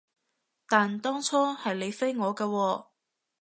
但當初係你飛我㗎喎